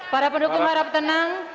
para pendukung harap tenang